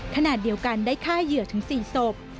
ขณะเดียวกันได้ฆ่าเหยื่อถึง๔ศพ